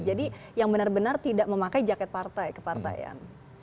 jadi yang benar benar tidak memakai jaket partai kepartaian